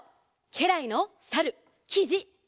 けらいのさるきじいぬ。